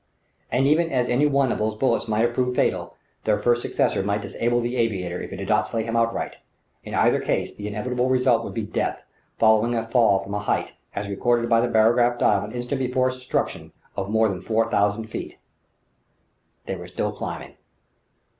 And even as any one of these bullets might have proved fatal, their first successor might disable the aviator if it did not slay him outright; in either case, the inevitable result would be death following a fall from a height, as recorded on the barograph dial an instant before its destruction, of more than four thousand feet. They were still climbing....